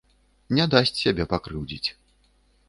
Не дасць сябе пакрыўдзіць.